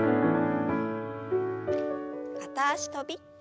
片脚跳び。